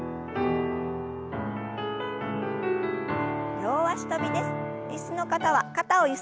両脚跳びです。